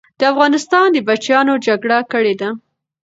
د افغانستان بچیانو جګړه کړې ده.